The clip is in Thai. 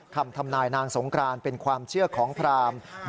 ทำนายนางสงกรานเป็นความเชื่อของพราม